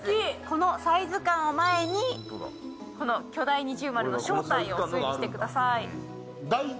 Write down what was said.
このサイズ感を前にこの巨大二重丸の正体を推理してください。